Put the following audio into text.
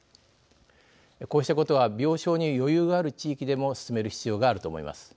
こうしたことは病床に余裕がある地域でも進める必要があると思います。